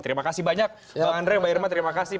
terima kasih banyak bang andre mbak irma terima kasih